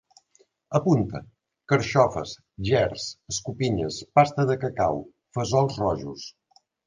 Apunta: carxofes, gerds, escopinyes, pasta de cacau, fesols rojos